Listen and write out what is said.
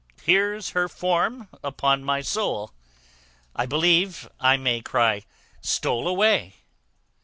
Here's her form, upon my soul; I believe I may cry stole away."